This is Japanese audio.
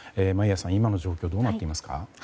眞家さん、今の状況どうなっていますか？